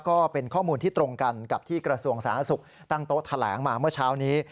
ก็เป็นข้อมูลที่ตรงกันกับที่กระทรวงสาธารณสุขตั้งโต๊ะแถลงมาเมื่อเช้านี้